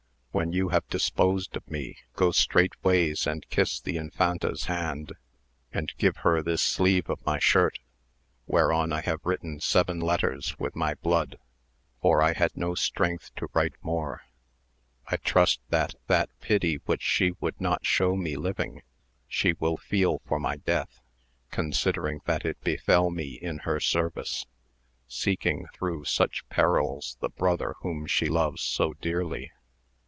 When you have disposed of me go straightways and kiss the Infanta's hand, and give her this sleeve of my shirt, whereon I have written seven letters with my blood, for I had no strength to write more. I trust that that pity which she would not show me living she will feel for my death, considering that it befell me in her service, seeking through such perils the brother .whom she loves so dearly.